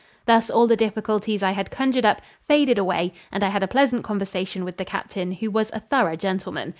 Thus all the difficulties I had conjured up faded away and I had a pleasant conversation with the captain, who was a thorough gentleman.